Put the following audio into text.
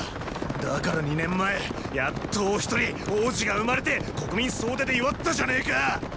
だから二年前やっとお一人王子が生まれて国民総出で祝ったじゃねェか！